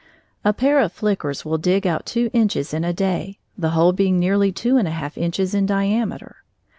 A pair of flickers will dig about two inches in a day, the hole being nearly two and a half inches in diameter.